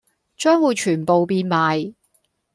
將會全部變賣